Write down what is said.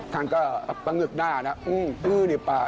ท่านก็เงิกหน้านะอื้อซื้อดีป่ะ